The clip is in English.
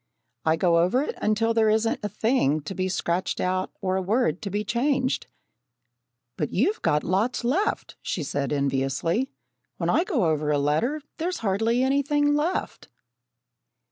"I go over it until there isn't a thing to be scratched out, or a word to be changed." "But you've got lots left," she said, enviously. "When I go over a letter there's hardly anything left."